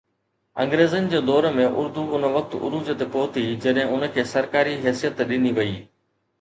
انگريزن جي دور ۾ اردو ان وقت عروج تي پهتي، جڏهن ان کي سرڪاري حيثيت ڏني وئي.